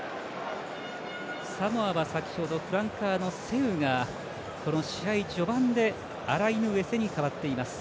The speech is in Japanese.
サモアは先ほどバンカーのセウがこの試合序盤でアライヌウエセに代わっています。